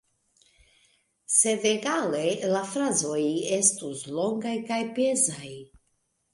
Sed egale, la frazoj estus longaj kaj pezaj.